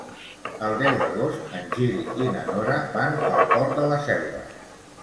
El deu d'agost en Gil i na Nora van al Port de la Selva.